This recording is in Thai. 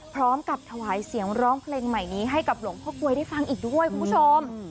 พร้อมกับถวายเสียงร้องเพลงใหม่นี้ให้กับหลวงพ่อกลวยได้ฟังอีกด้วยคุณผู้ชม